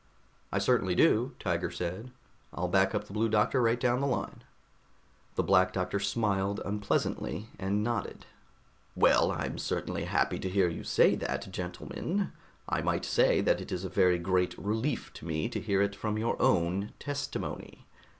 "I certainly do," Tiger said. "I'll back up the Blue Doctor right down the line." The Black Doctor smiled unpleasantly and nodded. "Well, I'm certainly happy to hear you say that, gentlemen. I might say that it is a very great relief to me to hear it from your own testimony.